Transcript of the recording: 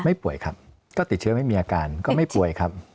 ป่วยครับก็ติดเชื้อไม่มีอาการก็ไม่ป่วยครับ